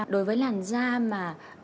đối với làn da mà